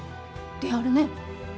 であるね。